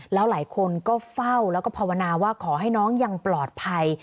แล้วหลายคนก็เฝ้าแล้วก็ภาวนาว่าขอให้น้องยังปลอดภัย